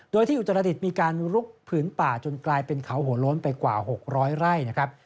โดยที่อุตรดิษฐ์มีการลุกผืนป่าจนกลายเป็นเขาหัวโล้นไปกว่า๖๐๐ไร่นะครับ